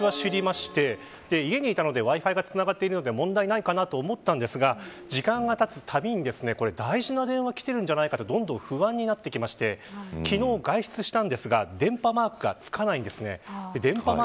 まずはおととい家で私は知りまして家にいたのでＷｉ‐Ｆｉがつながっているので問題ないかなと思ったんですが時間がたつたびに、大事な電話がきているんじゃないかとどんどん不安になってきまして昨日、外出したんですが電波マークがつかないんです。